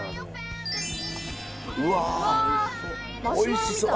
おいしそう。